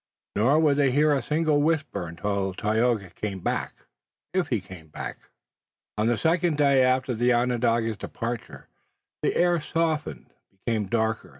Nor would they hear a single whisper until Tayoga came back if he came back. On the second day after the Onondaga's departure the air softened, but became darker.